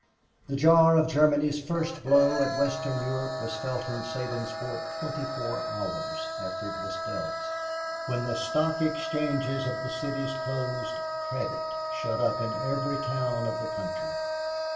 The jar of Germany's first blow at Western Europe was felt in Sabinsport twenty four hours after it was dealt. When the stock exchanges of the cities closed, credit shut up in every town of the country.